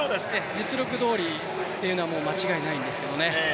実力どおりというのは間違いないんですよね。